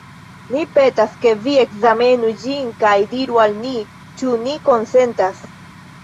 Ni petas, ke vi ekzamenu ĝin kaj diru al ni, ĉu ni konsentas.